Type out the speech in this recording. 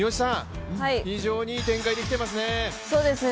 非常にいい展開できてますね。